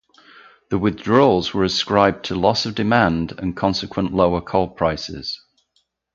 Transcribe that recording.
The withdrawals were ascribed to loss of demand and consequent lower coal prices.